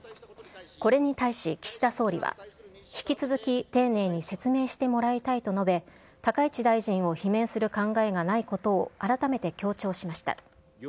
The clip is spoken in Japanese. これに対し岸田総理は、引き続き丁寧に説明してもらいたいと述べ、高市大臣を罷免する考えがないことを改めて強調しました。